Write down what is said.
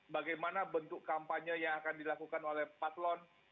bagaimana bentuk kampanye yang akan dilakukan oleh paslon